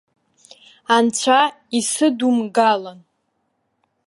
Анцәа исыдумгалан!